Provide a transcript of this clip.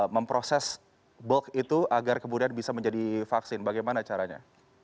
memproses bok itu agar kemudian bisa menjadi vaksin bagaimana caranya